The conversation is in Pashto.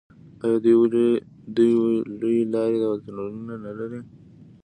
آیا دوی لویې لارې او تونلونه نلري؟